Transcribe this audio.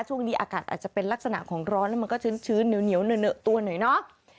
ช่วงนี้อากาศอาจจะเป็นลักษณะของร้อนมันก็ชื้นเนี๊ยวตัวหน่อยน่ะ